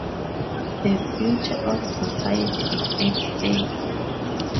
The future of society is at stake.